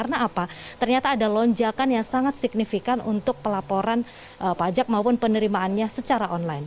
karena apa ternyata ada lonjakan yang sangat signifikan untuk pelaporan pajak maupun penerimaannya secara online